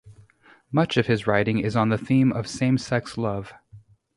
Much of his writing is on the theme of same-sex love.